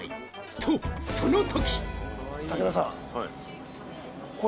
と、その時！